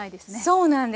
そうなんです。